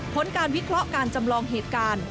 ผลการวิเคราะห์การจำลองเหตุการณ์